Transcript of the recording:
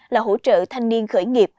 là hỗ trợ thanh niên khởi nghiệp